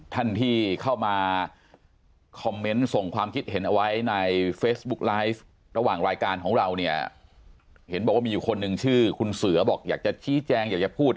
ท่านที่เข้ามาคอมเมนต์ส่งความคิดเห็นเอาไว้ในเฟซบุ๊กไลฟ์ระหว่างรายการของเราเนี่ยเห็นบอกว่ามีอยู่คนหนึ่งชื่อคุณเสือบอกอยากจะชี้แจงอยากจะพูด